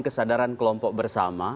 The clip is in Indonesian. kesadaran kelompok bersama